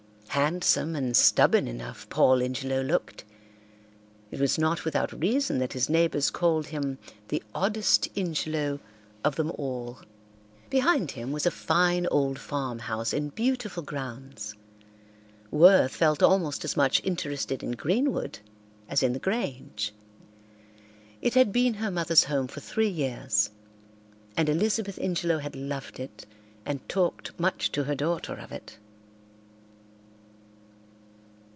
Handsome and stubborn enough Paul Ingelow looked. It was not without reason that his neighbours called him the oddest Ingelow of them all. Behind him was a fine old farmhouse in beautiful grounds. Worth felt almost as much interested in Greenwood as in the Grange. It had been her mother's home for three years, and Elizabeth Ingelow had loved it and talked much to her daughter of it.